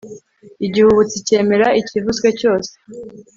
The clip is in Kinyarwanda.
igihubutsi cyemera ikivuzwe cyose